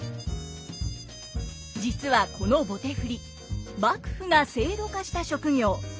実はこの棒手振幕府が制度化した職業。